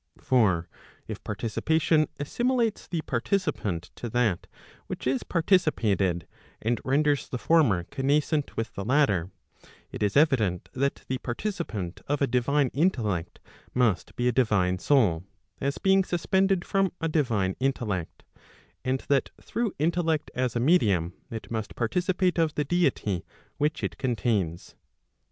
For if participation assimilates the participant to that which is partici¬ pated, and renders the former connascent with the latter, it is evident that the participant of a divine intellect must be a divine soul, as being suspended from a divine intellect, and that through intellect as a medium it must participate of the deity which it contains.